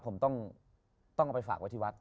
ผมต้องเอาไปฝากไว้ที่วัด